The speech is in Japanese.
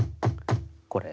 これ。